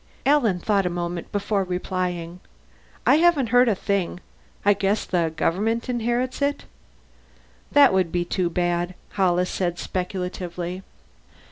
Alan thought a moment before replying. "I haven't heard a thing. I guess the government inherits it." "That would be too bad," Hollis said speculatively.